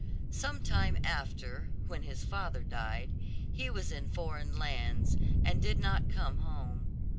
Sometime after, when his father died, he was in foreign lands, and did not come home.